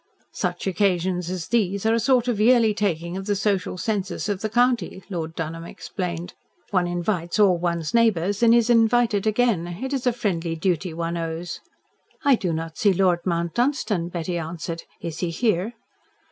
"Such occasions as these are a sort of yearly taking of the social census of the county," Lord Dunholm explained. "One invites ALL one's neighbours and is invited again. It is a friendly duty one owes." "I do not see Lord Mount Dunstan," Betty answered. "Is he here?"